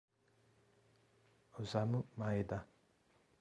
Osamu Maeda